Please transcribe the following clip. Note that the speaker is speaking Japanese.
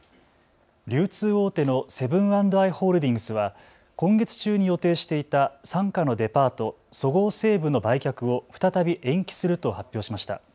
流通大手のセブン＆アイ・ホールディングスは今月中に予定していた傘下のデパート、そごう・西武の売却を再び延期すると発表しました。